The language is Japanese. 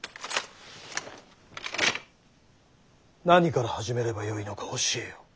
何から始めればよいのか教えよ。